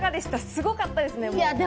すごかったですね。